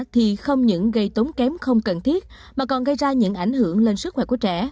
thì không những gây tốn kém không cần thiết mà còn gây ra những ảnh hưởng lên sức khỏe của trẻ